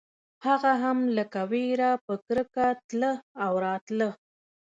هغه هم لکه وېره په کرکه تله او راتله.